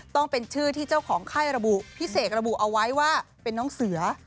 ต้องเป็นชื่อที่เจ้าของไข้ระบุพิเศษระบุเอาไว้ว่าเป็นน้องเสือ